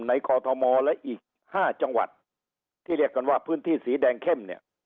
คอทมและอีก๕จังหวัดที่เรียกกันว่าพื้นที่สีแดงเข้มเนี่ย